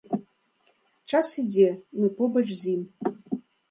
Час ідзе, мы побач з ім.